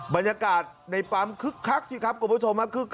บรรยากาศในปำคึกคักผู้ชมมาคึกคัก